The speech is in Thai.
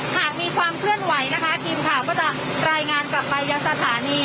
หากมีความเคลื่อนไหวนะคะทีมข่าวก็จะรายงานกลับไปยังสถานี